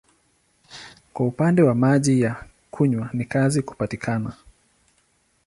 Kwa upande wa maji ya kunywa ni kazi kupatikana.